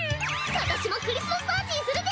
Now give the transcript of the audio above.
今年もクリスマスパーティーするで！